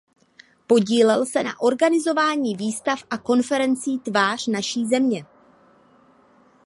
Podílel se na organizování výstav a konferencí Tvář naší země.